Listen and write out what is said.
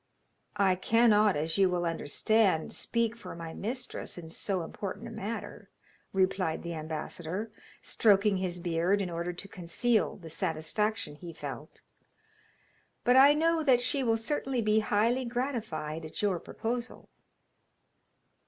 'I cannot, as you will understand, speak for my mistress in so important a matter,' replied the ambassador, stroking his beard in order to conceal the satisfaction he felt. 'But I know that she will certainly be highly gratified at your proposal.'